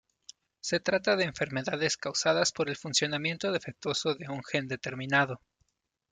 Se trata de enfermedades causadas por el funcionamiento defectuoso de un gen determinado.